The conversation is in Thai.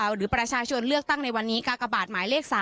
หรือประชาชนเลือกตั้งในวันนี้กากบาทหมายเลข๓